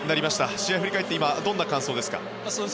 試合を振り返って今、どんな感想ですか。